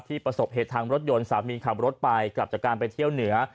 ประสบเหตุทางรถยนต์สามีขับรถไปกลับจากการไปเที่ยวเหนือ